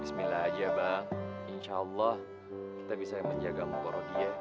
bismillah aja bang insya allah kita bisa menjaga empoh rodi ya